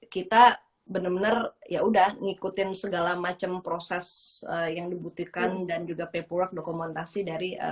kita bener bener ya udah ngikutin segala macam proses yang dibutuhkan dan juga paywork dokumentasi dari